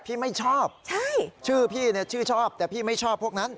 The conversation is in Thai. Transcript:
พี่ไม่ชอบชื่อพี่เนี่ยชื่อชอบแต่พี่ไม่ชอบพวกนั้น